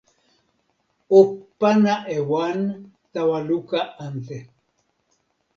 o pana e wan tawa luka ante.